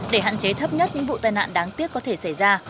để hạn chế thấp nhất những vụ tai nạn đáng tiếc có thể xảy ra